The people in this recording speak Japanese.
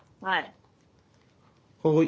はい。